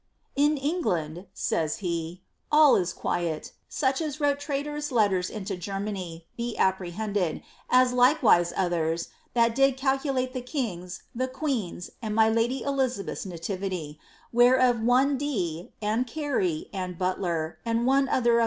" In England!" says he, all is quiet; such as wrote traitorous letters into Germany be apprehended, as like wise others, that did calculate the king\<», the queen\s, and my lady Elizabeth's nativity, whereof one Dee, and Carey, and Butler, and one 'Cotton.